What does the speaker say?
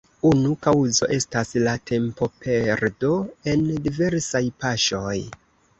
Unu kaŭzo estas la tempoperdo en diversaj paŝoj.